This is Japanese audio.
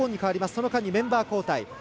その間にメンバー交代。